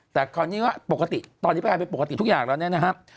แต่คราวนี้ว่าปกติตอนนี้แพลเป็นปกติทุกอย่างแล้วเนี่ยนะครับ